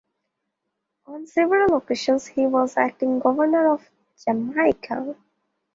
On several occasions he was acting Governor of Jamaica.